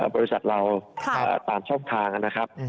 บริษัทเราตามช่องทางนะครับ